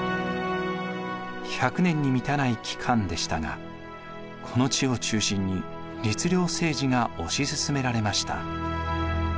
１００年に満たない期間でしたがこの地を中心に律令政治が推し進められました。